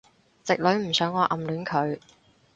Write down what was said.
直女唔想我暗戀佢